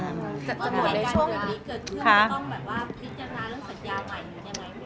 จะหมดในช่วงที่เกิดเครื่องจะต้องพิจารณาเรื่องสัญญาใหม่หรือยังไง